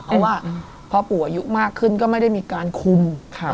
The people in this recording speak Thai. เพราะว่าพอปู่อายุมากขึ้นก็ไม่ได้มีการคุม